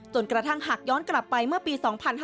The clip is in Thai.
กระทั่งหากย้อนกลับไปเมื่อปี๒๕๕๙